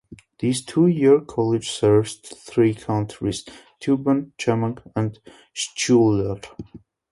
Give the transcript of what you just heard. This two-year college serves three counties: Steuben, Chemung, and Schuyler.